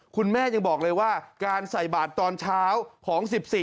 คุณแม่ยังบอกเลยว่าการใส่บาทตอนเช้าของ๑๔